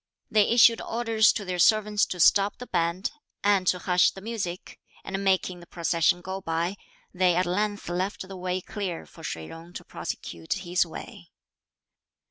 They issued orders to their servants to stop the band, and to hush the music, and making the procession go by, they at length left the way clear for Shih Jung to prosecute his way.